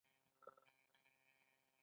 د یورانیم نیوکلیري انرژي تولیدوي.